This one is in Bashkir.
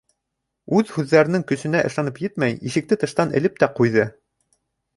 Үҙ һүҙҙәренең көсөнә ышанып етмәй, ишекте тыштан элеп тә ҡуйҙы.